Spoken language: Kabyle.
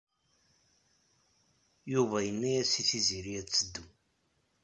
Yuba yenna-as i Tiziri ad teddu.